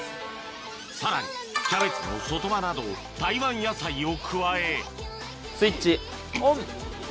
さらにキャベツの外葉など台湾野菜を加えスイッチオン！